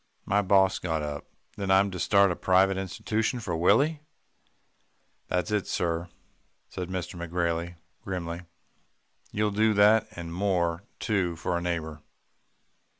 "My boss got up. 'Then I'm to start a private institution for Willie?' "'That's it, sir,' said McGrailey grimly. 'You'll do that, and more too for a neighbour.